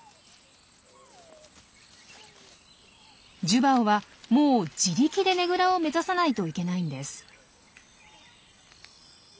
ジュバオはもう自力でねぐらを目指さないといけないんです。